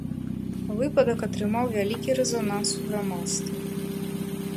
Выпадак атрымаў вялікі рэзананс у грамадстве.